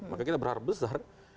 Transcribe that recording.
maka kita berharap besar